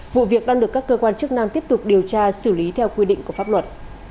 vụ việc đang được các cơ quan chức năng tiếp tục điều tra xử lý theo quy định của pháp luật